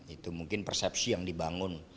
itu mungkin persepsi yang dibangun